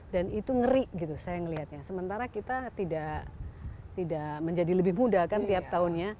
dan itu ngeri gitu saya ngelihatnya sementara kita tidak menjadi lebih muda kan tiap tahunnya